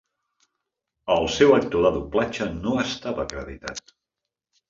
El seu actor de doblatge no estava acreditat.